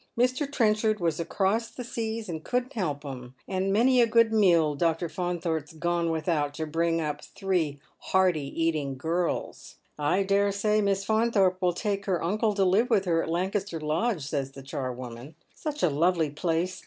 Mr. Trenchard was across the seas and couldn't help 'em, and many a good meal Dr. Faunthorpe's gone without to bring up three hearty eating girls." " I dare say Miss Faunthorpe will take her uncle to live with her at Lancaster Lodge," says the charwoman. " Such a lovely place